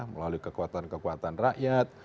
melalui kekuatan kekuatan rakyat